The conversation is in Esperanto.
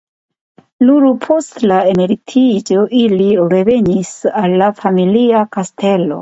Nur post lia emeritiĝo ili revenis al la familia kastelo.